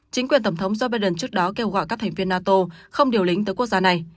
chính quyền tổng thống joe biden trước đó kêu gọi các thành viên nato không điều lính tới quốc gia này